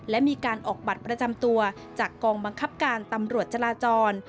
และมีการออกบัตรประจำตัวจากกองบังคับการตำรวจจราจร